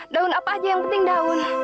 daun apa aja yang penting daun